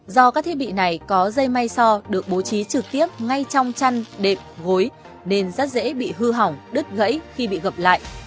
do các thiết bị này có dây may so được bố trí trực tiếp ngay trong chăn đệm gối nên rất dễ bị hư hỏng đứt gãy khi bị gập lại